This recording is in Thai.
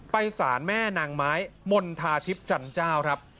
สารแม่นางไม้มณฑาทิพย์จันเจ้าครับ